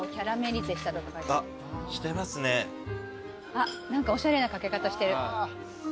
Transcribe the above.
あっ何かおしゃれな掛け方してる。